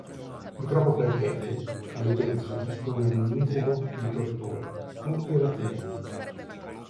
Purtroppo per Katie, l'evento si trasforma in un incubo di torture, stupri e rapimenti.